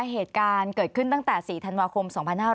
เหตุการณ์เกิดขึ้นตั้งแต่๔ธันวาคม๒๕๕๙